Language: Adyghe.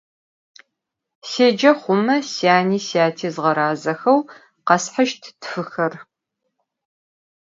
Sêce xhume, syani syati zğerazexeu kheshışt tfıxer.